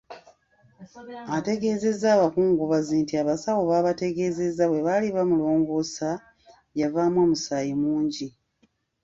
Ategeezezza abakungubazi nti abasawo baabategeeza bwe baali bamulongoosa, yavaamu omusaayi mungi.